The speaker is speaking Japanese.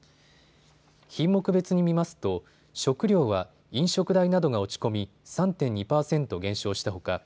品目別に見ますと食料は飲食代などが落ち込み３．２％減少したほか